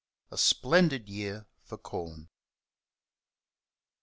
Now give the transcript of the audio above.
A Splendid Year For Corn.